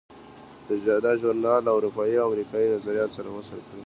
دا ژورنال اروپایي او امریکایي نظریات سره وصل کړل.